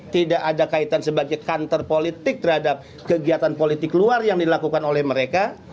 tidak ada kaitan sebagai kantor politik terhadap kegiatan politik luar yang dilakukan oleh mereka